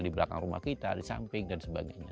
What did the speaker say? di belakang rumah kita di samping dan sebagainya